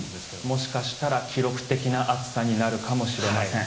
もしかしたら記録的な暑さになるかもしれません。